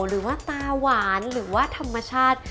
หรือว่าตาหวานหรือว่าธรรมชาติ